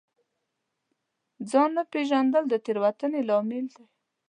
ځان نه پېژندل د تېروتنې لامل دی.